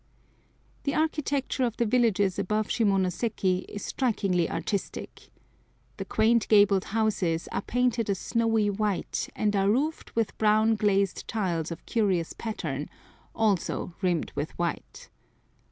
The architecture of the villages above Shimonoseki is strikingly artistic. The quaint gabled houses are painted a snowy white, and are roofed with brown glazed tiles of curious pattern, also rimmed with white.